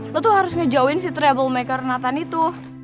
lo tuh harus ngejauhin si troublemaker nathan itu